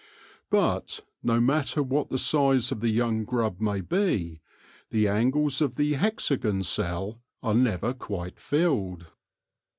But, no matter what the size of the young grub may be, the angles of the hexagon cell are never quite filled.